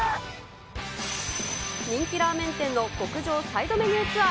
人気ラーメン店の極上サイドメニューツアー。